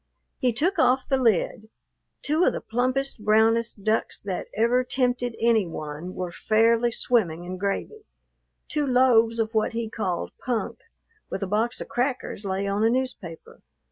He took off the lid. Two of the plumpest, brownest ducks that ever tempted any one were fairly swimming in gravy. Two loaves of what he called punk, with a box of crackers, lay on a newspaper.